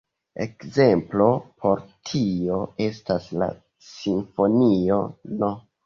Ekzemplo por tio estas la simfonio no.